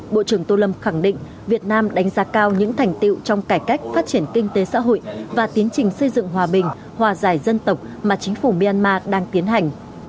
bộ trưởng tô lâm khẳng định việt nam đánh giá cao những thành tiệu trong cải cách phát triển kinh tế xã hội và tiến trình xây dựng hòa bình hòa giải dân tộc mà chính phủ myanmar đang tiến hành